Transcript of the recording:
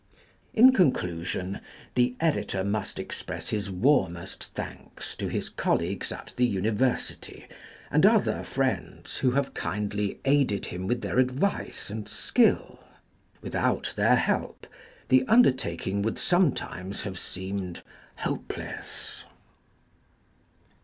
In conclusion, the editor must express his warmest thanks to his colleagues at the University and other friends who have kindly aided him with their advice and skill. Without their help, the undertaking would sometimes have seemed hopeless.